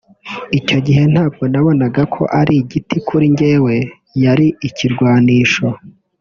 Icyo gihe ntabwo nabonaga ko ari igiti kuri njyewe yari ikirwanisho